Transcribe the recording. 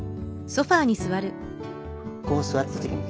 こう座った時に。